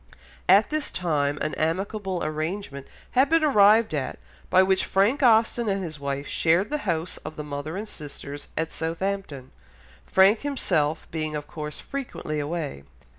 At this time an amicable arrangement had been arrived at, by which Frank Austen and his wife shared the house of the mother and sisters at Southampton, Frank himself being of course frequently away.